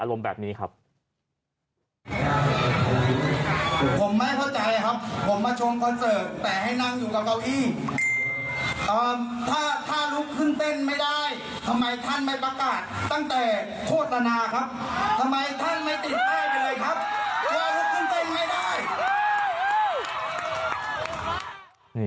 ตั้งแต่โฆษณาครับเข้าไปท่าลุกขึ้นเต้นไม่ได้